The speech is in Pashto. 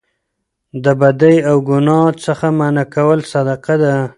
د بدۍ او ګناه څخه منع کول صدقه ده